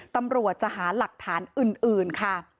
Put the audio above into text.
ตำรวจจะหาหลักฐานอื่นค่ะ